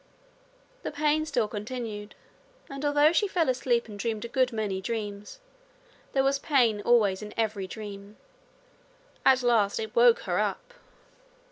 The pain still continued, and although she fell asleep and dreamed a good many dreams, there was the pain always in every dream. At last it woke her UP.